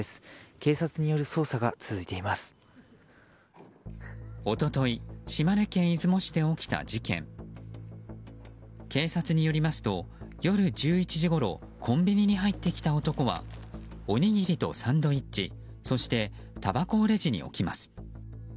警察によりますと、夜１１時ごろコンビニに入ってきた男はおにぎりとサンドイッチそして、たばこをレジに置きます。